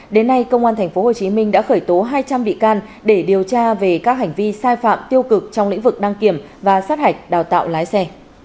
đến nay công an tp hcm đã khởi tố hai trăm linh bị can để điều tra về các hành vi sai phạm tiêu cực trong lĩnh vực đăng kiểm và sát hạch đào tạo lái xe